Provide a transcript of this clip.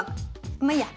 まあいいや。